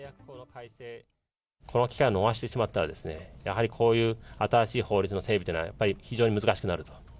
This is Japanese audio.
この機会を逃してしまったら、やはりこういう新しい法律の整備というのは、やっぱり非常に難しくなると。